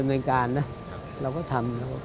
เป็นเป็นการนะเราก็ทำเราก็แก้ไป